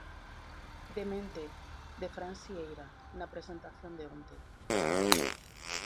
'DeMente', de Fran Sieira, na presentación de onte.